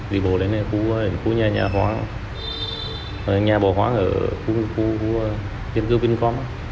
vì bố đến đây là khu nhà nhà khoáng